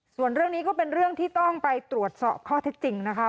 ส่วนเรื่องนี้ก็เป็นเรื่องที่ต้องไปตรวจสอบข้อเท็จจริงนะคะ